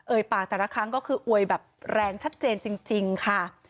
ปากแต่ละครั้งก็คืออวยแบบแรงชัดเจนจริงค่ะ